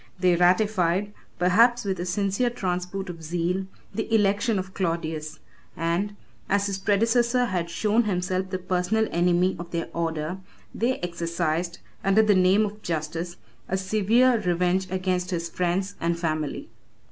They ratified, perhaps with a sincere transport of zeal, the election of Claudius; and, as his predecessor had shown himself the personal enemy of their order, they exercised, under the name of justice, a severe revenge against his friends and family.